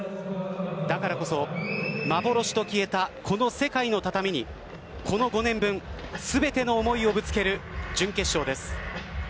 だからこそ幻と消えたこの世界の畳にこの５年分全ての思いをぶつける準決勝です。